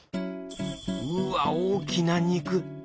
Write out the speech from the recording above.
うわ大きな肉！